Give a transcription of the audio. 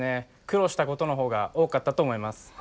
苦労したことのほうが多かったと思います。